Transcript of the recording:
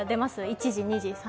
１時、２時。